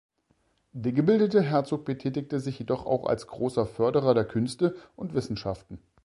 Der gebildete Herzog betätigte sich jedoch auch als großer Förderer der Künste und Wissenschaften.